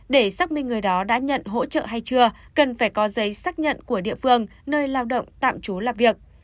để xác minh người đó đã nhận hỗ trợ hay chưa cần phải có giấy xác nhận của địa phương nơi lao động tạm trú làm việc